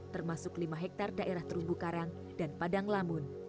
termasuk lima hektar daerah gerumbu karang dan padang lamun